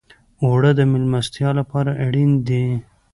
اوړه د میلمستیا لپاره اړین دي